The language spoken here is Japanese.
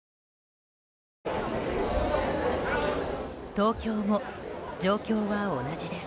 東京も状況は同じです。